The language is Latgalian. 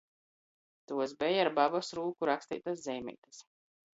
Tuos beja ar babys rūku raksteitys zeimeitis.